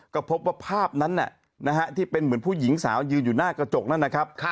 ก็พบว่าภาพนั้นที่เป็นเหมือนผู้หญิงสาวยืนอยู่หน้ากระจกนั่นนะครับ